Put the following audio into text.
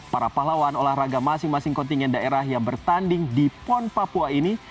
para pahlawan olahraga masing masing kontingen daerah yang bertanding di pon papua ini